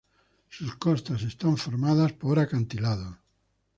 Sus costas están formadas por acantilados.